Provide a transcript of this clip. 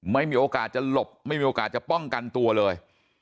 ไม่มีโอกาสจะหลบไม่มีโอกาสจะป้องกันตัวเลย